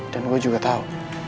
dan gue juga tau